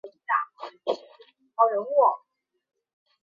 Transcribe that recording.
一系列的乳糖衍生物或类似物被认为协助乳糖操纵子的工作。